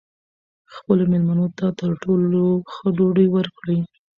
خپلو مېلمنو ته تر ټولو ښه ډوډۍ ورکړئ.